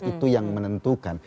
itu yang menentukan